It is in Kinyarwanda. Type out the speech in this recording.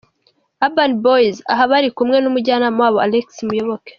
Urban Boyz aha bari kumwe n'umujyanama wabo Alex Muyoboke.